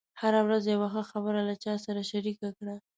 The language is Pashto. هره ورځ یوه ښه خبره له چا سره شریکه کړه.